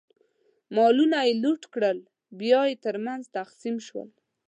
مالونه یې لوټ کړل، بیا یې ترمنځ تقسیم شول.